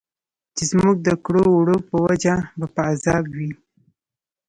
چې زموږ د کړو او وړو په وجه به په عذاب وي.